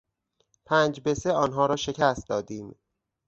پنج به سه آنها را شکست دادیم.